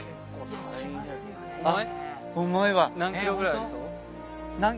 あっ。